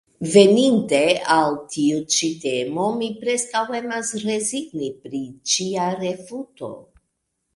Veninte al tiu ĉi temo mi preskaŭ emas rezigni pri ĉia refuto.